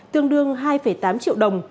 tương đương hai tám triệu đồng